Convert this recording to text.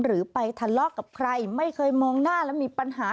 หรือไปทะเลาะกับใครไม่เคยมองหน้าแล้วมีปัญหา